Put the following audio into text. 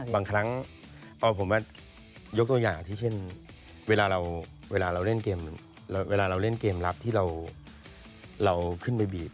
บางครั้งยกตัวอย่างที่เช่นเวลาเราเล่นเกมรับที่เราขึ้นไปบีบ